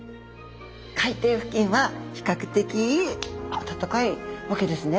海底付近は比較的暖かいわけですね。